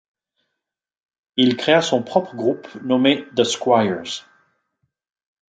Il créa son propre groupe, nommé The Squires.